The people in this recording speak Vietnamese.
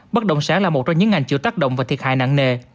bất động sản là một trong những ngành chịu tác động và thiệt hại nặng nề